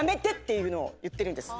いうのを言ってるんです。